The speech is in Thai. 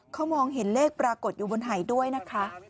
เขามองเห็นเลขปรากฏอยู่บนหายด้วยนะคะ